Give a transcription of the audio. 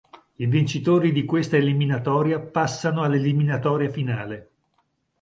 I vincitori di questa eliminatoria passano all'eliminatoria finale.